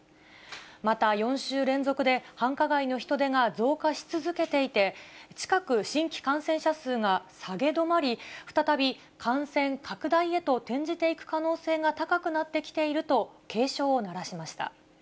また、４週連続で繁華街の人出が増加し続けていて、近く、新規感染者数が下げ止まり、再び感染拡大へと転じていく可能性が高くなってきていると、警鐘を鳴らしました。